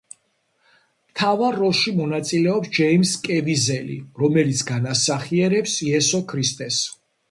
მთავარ როლში მონაწილეობს ჯეიმზ კევიზელი, რომელიც განასახიერებს იესო ქრისტეს.